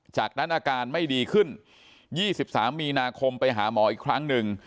จากนั้นอาการไม่ดีขึ้น๒๓มีนาคมไปหาหมออีกครั้งหนึ่ง